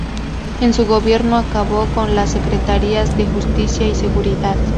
En su gobierno acabó con las secretarías de Justicia y Seguridad.